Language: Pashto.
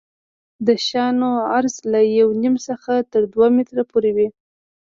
د شانو عرض له یو نیم څخه تر دوه مترو پورې وي